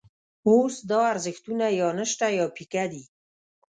اوس دا ارزښتونه یا نشته یا پیکه دي.